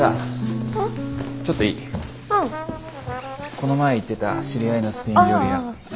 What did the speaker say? この前言ってた知り合いのスペイン料理屋。